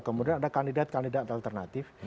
kemudian ada kandidat kandidat alternatif